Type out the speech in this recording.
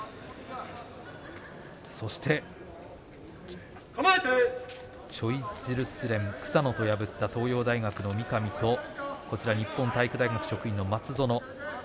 そしてチョイジルスレン、草野と破った東洋大学の三上と日本体育大学職員の松園。